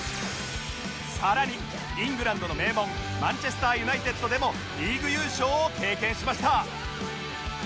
さらにイングランドの名門マンチェスター・ユナイテッドでもリーグ優勝を経験しました